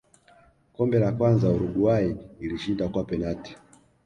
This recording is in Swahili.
Kombe la kwanza Uruguay ilishinda kwa penati